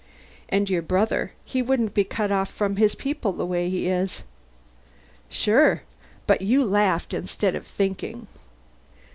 "And your brother he wouldn't be cut off from his people the way he is " "Sure. But you laughed instead of thinking."